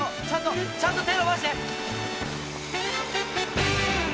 ちゃんと手ぇ伸ばして。